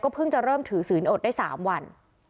เพิ่งจะเริ่มถือศีลอดได้๓วัน